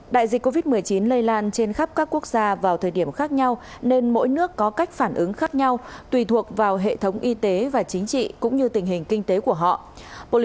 đại dịch covid một mươi chín lây lan trên khắp các quốc gia vào thời điểm khác nhau nên mỗi nước có cách phản ứng khác nhau tùy thuộc vào hệ thống y tế và chính trị cũng như tình hình kinh tế của họ